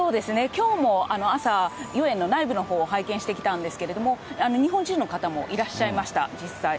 きょうも朝、豫園の内部のほう、拝見してきたんですけれども、日本人の方もいらっしゃいました、実際。